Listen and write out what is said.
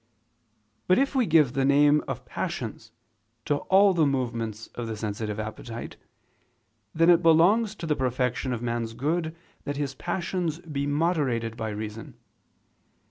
But if we give the name of passions to all the movements of the sensitive appetite, then it belongs to the perfection of man's good that his passions be moderated by reason.